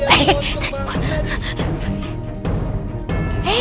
eh tadi gue